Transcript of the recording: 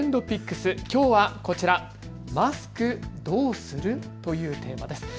きょうはこちら、マスクどうする？というテーマです。